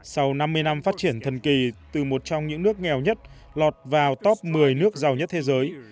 sau năm mươi năm phát triển thần kỳ từ một trong những nước nghèo nhất lọt vào top một mươi nước giàu nhất thế giới